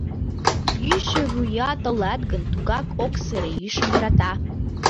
Йӱшӧ вуя толат гын, тугак ок сыре, йӱшым йӧрата.